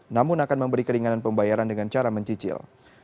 namun akan memberi keringanan pembayaran dengan cara mencicil